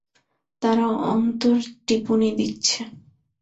তারা অন্তরটিপুনি দিচ্ছে।